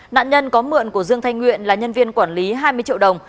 nạn nhân có mượn của dương thanh nguyện là nhân viên quản lý hai mươi triệu đồng